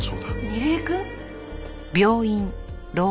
楡井くん？